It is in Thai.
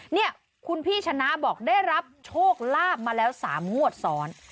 เนี่ยคุณพี่ชนะบอกได้รับโชคลาภมาแล้ว๓งวดซ้อน